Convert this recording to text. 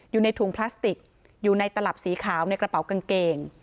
อยู่ในถุงพลาสติกอยู่ในตลับสีขาวในกระเป๋ากางเกง